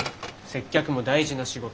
接客も大事な仕事。